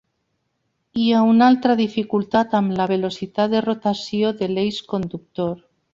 Hi ha una altra dificultat amb la velocitat de rotació de l'eix conductor.